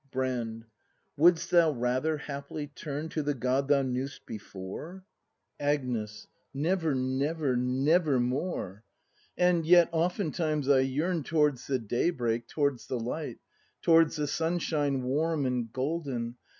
Brand. Wouldst thou rather, haply, turn To the God thou knew'st before? Agnes. Never, never, nevermore! And yet oftentimes I yearn Towards the daybreak, towards the light. Towards the sunshine warm and golden.